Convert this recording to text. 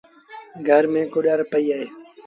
گھر ميݩ ڪوڏآر پئيٚ اهي۔